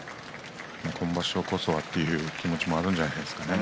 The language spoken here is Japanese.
今場所こそはという気持ちもあるんじゃないでしょうかね。